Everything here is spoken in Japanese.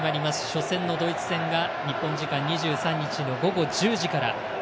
初戦のドイツ戦が日本時間２３日の午後１０時から。